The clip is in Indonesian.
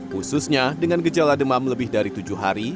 khususnya dengan gejala demam lebih dari tujuh hari